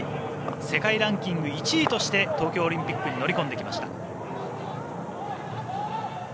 世界ランキング１位として東京オリンピックに乗り込んできました。